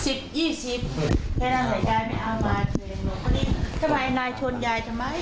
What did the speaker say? สิบยี่สิบแค่นั้นแต่ยายไม่เอามาเถียงตอนนี้ทำไมนายชนยายทำไม